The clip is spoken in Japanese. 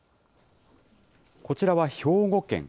こちらは兵庫県。